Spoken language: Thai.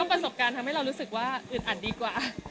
ประสบการณ์ทำให้เรารู้สึกว่าอึดอัดดีกว่า